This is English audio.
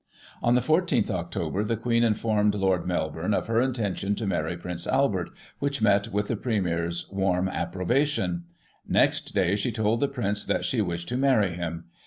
On the 14th Oct., the Queen informed Lord Melbourne of her intention to marry Prince Albert, which met with the Premier's warm approbation. Next day she told the Prince that she wished to marry him.